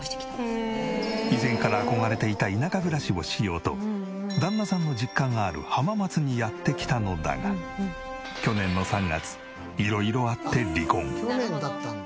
以前から憧れていた田舎暮らしをしようと旦那さんの実家がある浜松にやって来たのだが去年の３月色々あって離婚。